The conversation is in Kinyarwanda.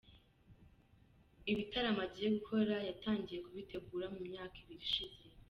Ibitaramo agiye gukora yatangiye kubitegura mu myaka ibiri ishize.